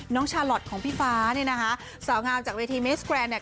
ชาลอทของพี่ฟ้าเนี่ยนะคะสาวงามจากเวทีเมสแกรนเนี่ย